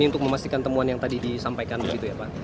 untuk memastikan temuan yang tadi disampaikan begitu ya pak